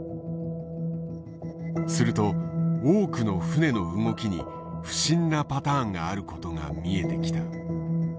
すると多くの船の動きに不審なパターンがあることが見えてきた。